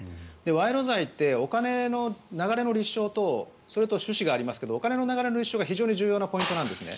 賄賂罪ってお金の流れの立証とそれと趣旨がありますがお金の流れの立証が非常に重要なポイントなんですね。